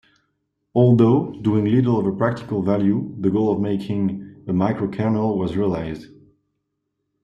Although doing little of practical value, the goal of making a microkernel was realized.